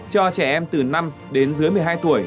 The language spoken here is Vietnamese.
cho trẻ em từ năm đến dưới một mươi hai tuổi